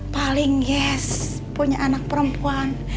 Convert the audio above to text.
paling yes punya anak perempuan